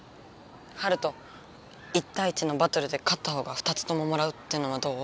ハルト１たい１のバトルでかった方が２つとももらうっていうのはどう？